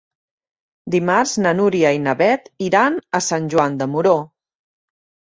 Dimarts na Núria i na Beth iran a Sant Joan de Moró.